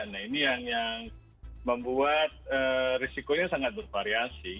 nah ini yang membuat risikonya sangat bervariasi